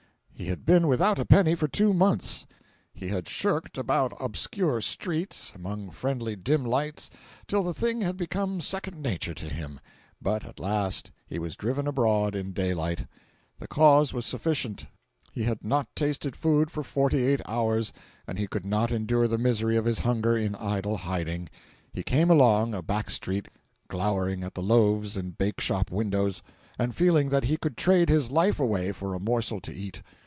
He had been without a penny for two months. He had shirked about obscure streets, among friendly dim lights, till the thing had become second nature to him. But at last he was driven abroad in daylight. The cause was sufficient; he had not tasted food for forty eight hours, and he could not endure the misery of his hunger in idle hiding. He came along a back street, glowering at the loaves in bake shop windows, and feeling that he could trade his life away for a morsel to eat.